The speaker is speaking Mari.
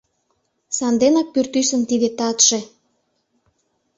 Санденак пӱртӱсын тиде татше